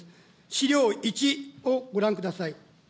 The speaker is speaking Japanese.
資料１をご覧ください。